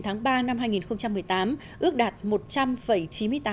tháng ba năm hai nghìn một mươi tám ước đạt